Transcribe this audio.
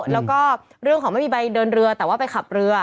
แล้วก็เรื่องของไม่มีใบเดินเรือแต่ว่าไปขับเรือ